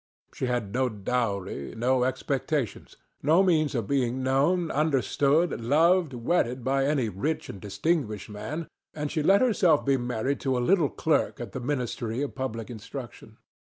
She had no dowry, no expectations, no means of being known, understood, loved, wedded, by any rich and distinguished man; and she let herself be married to a little clerk at the Ministry of Public Instruction.